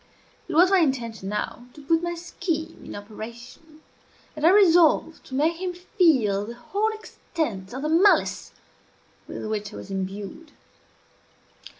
It was my intention, now, to put my scheme in operation, and I resolved to make him feel the whole extent of the malice with which I was imbued.